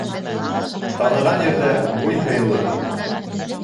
Таныған ерҙә буй һыйлы